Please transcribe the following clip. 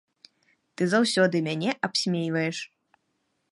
Ты заўсёды мяне абсмейваеш.